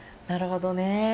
なるほどね。